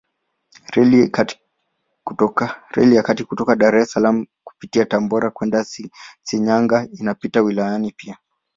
Reli ya kati kutoka Dar es Salaam kupitia Tabora kwenda Shinyanga inapita wilayani pia.